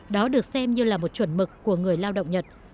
đó được xem như là một chuẩn mực của người lao động nhật